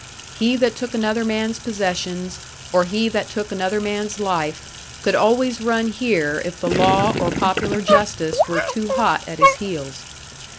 He that took another man's possessions, or he that took another man's life, could always run here if the law or popular justice were too hot at his heels.